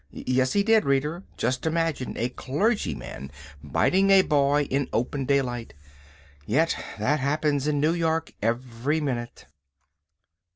Yes, he did, reader. Just imagine a clergyman biting a boy in open daylight! Yet that happens in New York every minute.